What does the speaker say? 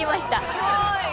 ◆すごい。